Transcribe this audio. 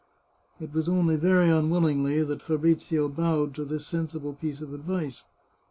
It was only very unwillingly that Fabrizio bowed to this sensible piece of advice.